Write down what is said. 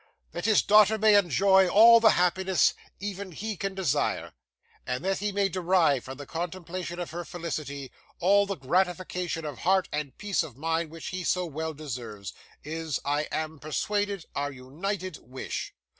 That his daughter may enjoy all the happiness, even he can desire; and that he may derive from the contemplation of her felicity all the gratification of heart and peace of mind which he so well deserves, is, I am persuaded, our united wish.